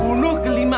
sudah sampai mas